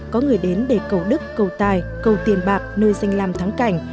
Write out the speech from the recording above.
có người đến để cầu đức cầu tài cầu tiền bạc nơi danh làm thắng cảnh